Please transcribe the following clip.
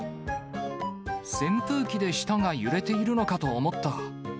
扇風機で舌が揺れているのかと思った。